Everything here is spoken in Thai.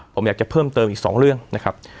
ผมอยากจะเพิ่มเติมอีก๒เรื่องนะครับ